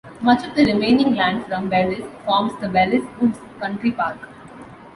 Much of the remaining land from Belhus forms the Belhus Woods Country Park.